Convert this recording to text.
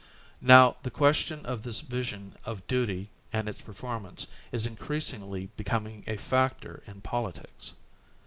Now, the question of this vision of duty and its performance is increasingly be coming a factor in politics.